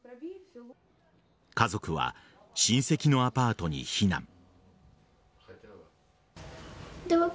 家族は親戚のアパートに避難。